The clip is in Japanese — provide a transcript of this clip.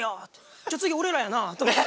じゃあ次俺らやなって。